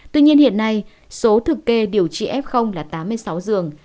tuy nhiên hiện nay số thực kê điều trị f là tám mươi sáu giường